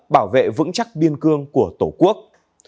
bảo vệ vững chắc biên cương của tổ quốc